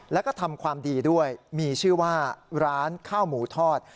แล้วก็ทำความดีด้วยมีชื่อว่าร้านข้าวหมูทอด